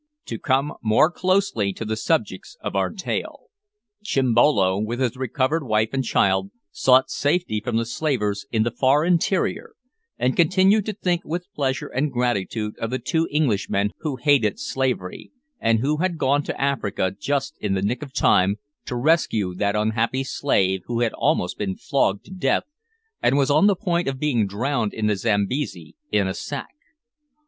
To come more closely to the subjects of our tale: Chimbolo, with his recovered wife and child, sought safety from the slavers in the far interior, and continued to think with pleasure and gratitude of the two Englishmen who hated slavery, and who had gone to Africa just in the nick of time to rescue that unhappy slave who had been almost flogged to death, and was on the point of being drowned in the Zambesi in a sack.